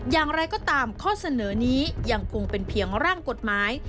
อย่างไรก็ตามข้อเสนอนี้ยังคงเป็นเพียงร่างกฎหมาย